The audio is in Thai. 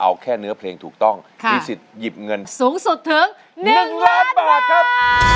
เอาแค่เนื้อเพลงถูกต้องมีสิทธิ์หยิบเงินสูงสุดถึง๑ล้านบาทครับ